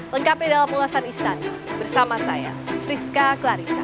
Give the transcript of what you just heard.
lengkapi dalam ulasan istana bersama saya friska clarissa